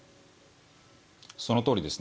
そのとおりですね。